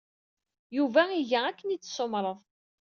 Yuba iga akken ay d-tessumreḍ.